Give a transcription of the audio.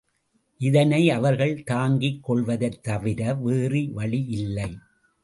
இதனை அவர்கள் தாங்கிக் கொள்வதைத் தவிர வேறு வழியில்லை.